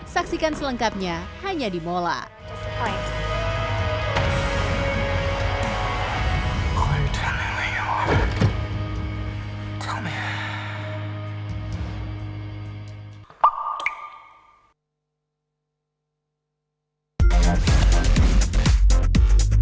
saya tidak bisa melakukan apa apa dengan penari balet di kota kecil